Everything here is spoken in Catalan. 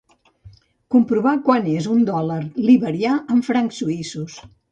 Comprovar quant és un dòlar liberià en francs suïssos.